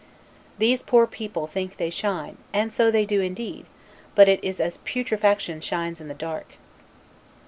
These poor mistaken people think they shine, and so they do indeed; but it is as putrefaction shines in the dark.